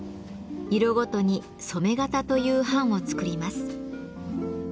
色ごとに染め型という版を作ります。